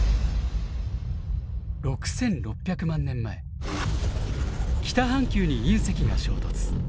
６，６００万年前北半球に隕石が衝突。